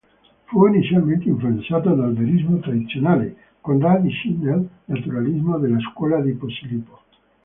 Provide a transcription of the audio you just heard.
Fu inizialmente influenzato dal verismo tradizionale, con radici nel naturalismo della scuola di Posillipo.